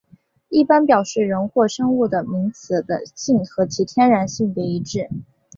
一般表示人或生物的名词的性和其天然性别一致。